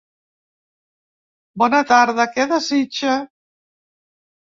Bona tarda, què desitja?